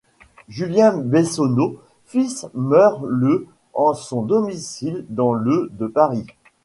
Julien Bessonneau fils meurt le en son domicile dans le de Paris.